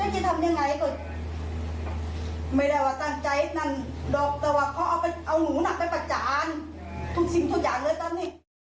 ทุกสิ่งทุกอย่างเลยตอนนี้